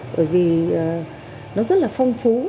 bởi vì nó rất là phong phú